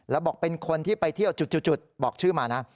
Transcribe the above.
แล้วบอกเป็นคนที่ไปเที่ยวจุดบอกชื่อมานะ